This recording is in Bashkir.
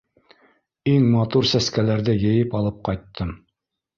Иң матур сәскәләрҙе йыйып алып ҡайттым.